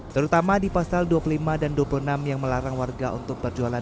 terutama di pasal dua puluh lima dan dua puluh enam yang melarang warga untuk berjualan